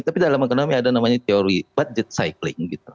tapi dalam ekonomi ada namanya teori budget cycling